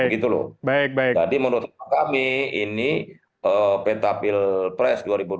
jadi menurut kami ini pentafil pres